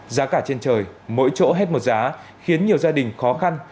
giá cả trên trời mỗi chỗ hết một giá khiến nhiều gia đình khó khăn